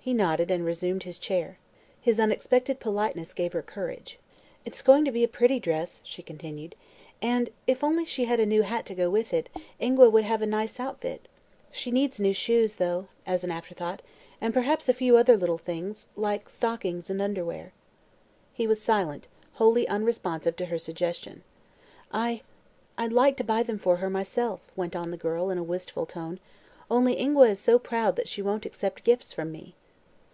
He nodded and resumed his chair. His unexpected politeness gave her courage. "It's going to be a pretty dress," she continued, "and, if only she had a new hat to go with it, Ingua would have a nice outfit. She needs new shoes, though," as an afterthought, "and perhaps a few other little things like stockings and underwear." He was silent, wholly unresponsive to her suggestion. "I I'd like to buy them for her myself," went on the girl, in a wistful tone, "only Ingua is so proud that she won't accept gifts from me."